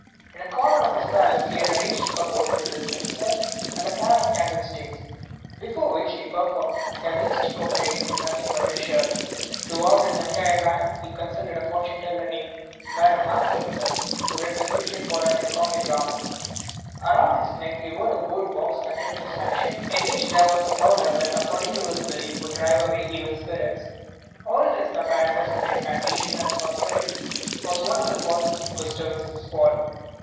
In a corner of his palace he had arranged a cupboard with a censer and a pair of candlesticks, before which he performed cabalistic operations in nothing but his shirt. Throughout his entire reign he consulted a fortune teller named Madame Arfwedsson, who read the future for him in coffee grounds. Around his neck he wore a gold box containing a sachet in which there was a powder that, according to his belief, would drive away evil spirits. All this apparatus of incantation and sorcery was one of the causes of Gustavus's fall.